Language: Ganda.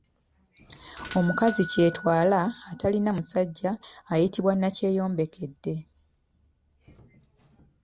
Omukazi kyetwala atalina musajja ayitibwa nnakyeyombekedde .